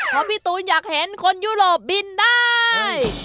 เพราะพี่ตูนอยากเห็นคนยุโรปบินได้